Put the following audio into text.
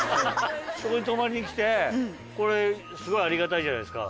泊まりに来てこれすごいありがたいじゃないですか。